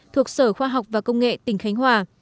thuộc sở khoa học và công nghệ tỉnh khánh hòa